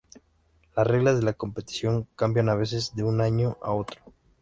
Las reglas de la competición cambian a veces de un año a otro.